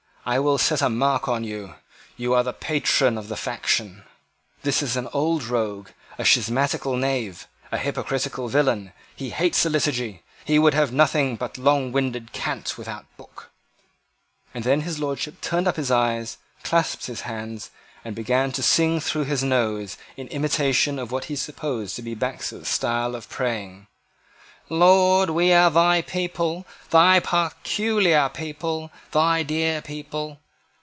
I will set a mark on you. You are the patron of the faction. This is an old rogue, a schismatical knave, a hypocritical villain. He hates the Liturgy. He would have nothing but longwinded cant without book;" and then his Lordship turned up his eyes, clasped his hands, and began to sing through his nose, in imitation of what he supposed to be Baxter's style of praying "Lord, we are thy people, thy peculiar people, thy dear people."